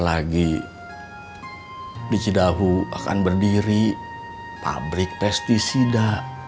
akan berdiri pabrik pesticida